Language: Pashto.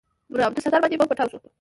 چې پر عبدالستار باندې بم پټاو سوى.